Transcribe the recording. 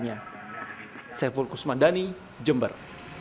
saya fulkus mandani jember